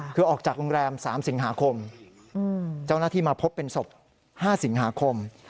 คือออกจากโรงแรม๓สิงหาคมเจ้าหน้าที่มาพบเป็นศพ๕สิงหาคม